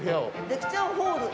「レクチャーホール」。